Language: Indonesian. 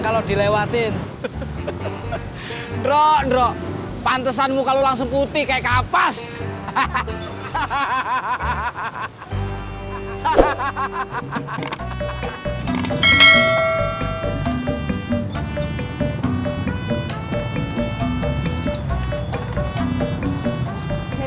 kalau dilewatin roh roh pantesan muka lu langsung putih kayak kapas hahaha hahaha